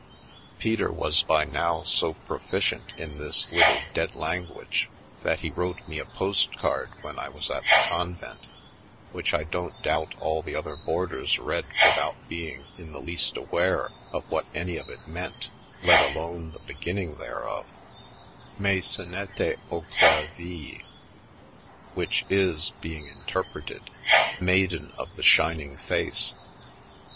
Peter was by now so proficient in this little dead language that he wrote me a post card when I was at the convent, which I don't doubt all the other boarders read without being in the least aware of what any of it meant, let alone the beginning thereof : Mescinete o cler vis." Which is, being interpreted, Maiden of the shining face."